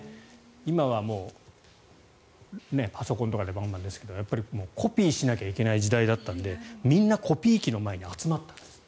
今はもう、パソコンとかでバンバンですがコピーしなければいけない時代だったんでみんなコピー機の前に集まったんですって。